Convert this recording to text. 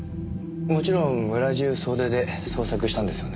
もちろん村中総出で捜索したんですよね？